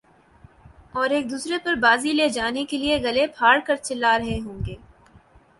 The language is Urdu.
اور ایک دوسرے پر بازی لے جانے کیلئے گلے پھاڑ کر چلا رہے ہوں گے